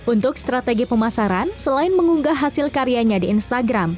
untuk strategi pemasaran selain mengunggah hasil karyanya di instagram